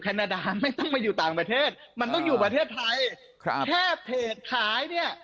นาดาไม่ต้องมาอยู่ต่างประเทศมันต้องอยู่ประเทศไทยครับแค่เพจขายเนี่ย